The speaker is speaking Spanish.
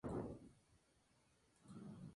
La canción no tiene vídeo musical.